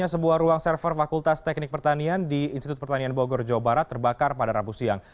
sebuah ruang server fakultas teknik pertanian di institut pertanian bogor jawa barat terbakar pada rabu siang